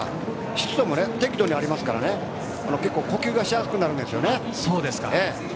湿度も適度にありますから呼吸がしやすくなるんです。